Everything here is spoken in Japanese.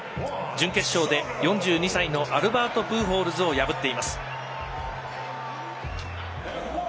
準決勝で４２歳のアルバート・プーホールズを破っています。